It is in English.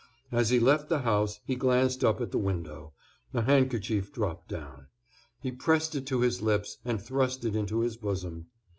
As he left the house he glanced up at the window, a handkerchief dropped down; he pressed it to his lips and thrust it into his bosom.